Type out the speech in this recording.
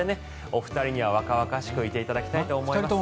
お二人には若々しくいていただきたいと思います。